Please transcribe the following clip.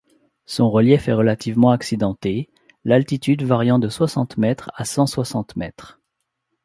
Son relief est relativement accidenté, l’altitude variant de soixante mètres à cent soixante mètres.